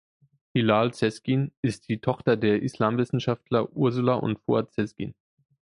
Hilal Sezgin ist die Tochter der Islamwissenschaftler Ursula und Fuat Sezgin.